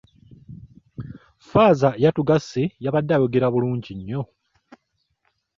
Ffaaza eyatugase yabade ayogera bulungi nnyo.